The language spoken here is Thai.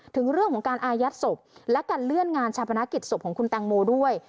ถึงเรื่องของการอายัดศพและการเลื่อนงานชาปนกิจศพของคุณแตงโมด้วย